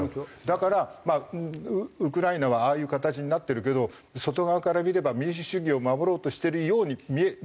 だからまあウクライナはああいう形になってるけど外側から見れば民主主義を守ろうとしてるように見える。